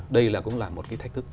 đây là cũng là một cái thách thức